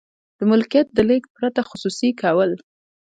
د ملکیت د لیږد پرته خصوصي کول.